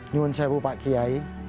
nyuan sebuah pak giai